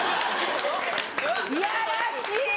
いやらしい！